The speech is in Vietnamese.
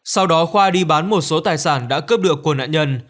sau đó khoa đi bán một số tài sản đã cướp được của nạn nhân